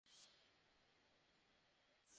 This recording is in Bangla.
স্কুল শেষ করে কী করেছিলে?